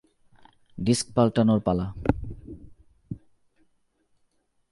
Disk পাল্টানোর পালা।